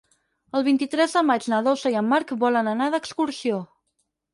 El vint-i-tres de maig na Dolça i en Marc volen anar d'excursió.